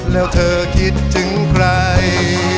แล้วเธอคิดถึงใคร